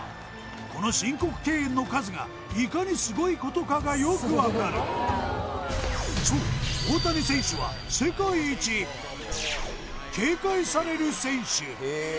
この申告敬遠の数がいかにすごいことかがよく分かるそう大谷選手は世界一警戒される選手